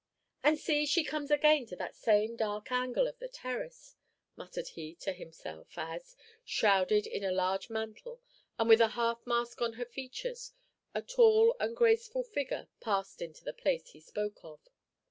"And see, she comes again to that same dark angle of the terrace," muttered he to himself, as, shrouded in a large mantle and with a half mask on her features, a tall and graceful figure passed into the place he spoke of.